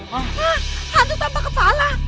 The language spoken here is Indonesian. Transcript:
hah hantu tanpa kepala